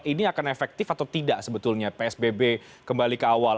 ini akan efektif atau tidak sebetulnya psbb kembali ke awal